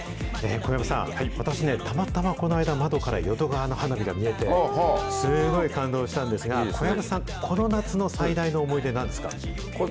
小籔さん、私ね、たまたまこの前窓から淀川の花火が見えて、すごい感動したんですが、小籔さん、この夏の最大の思い出、なんですか。